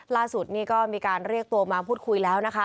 ล่าสุดนี่ก็มีการเรียกตัวมาพูดคุยแล้วนะคะ